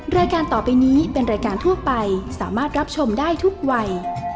รายการต่อไปนี้เป็นรายการทั่วไปสามารถรับชมได้ทุกวัย